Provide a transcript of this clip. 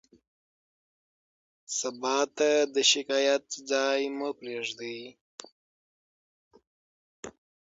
سبا ته د شکایت ځای مه پرېږدئ.